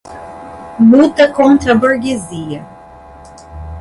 luta contra a burguesia